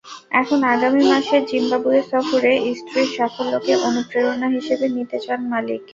এখন আগামী মাসের জিম্বাবুয়ে সফরে স্ত্রীর সাফল্যকে অনুপ্রেরণা হিসেবে নিতে চান মালিক।